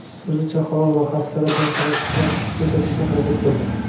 o‘zicha halol va hafsala bilan talashib-tortishib ko‘rsatishga harakat qildi.